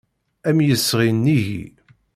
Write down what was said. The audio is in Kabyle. Am yesɣi nnig-i.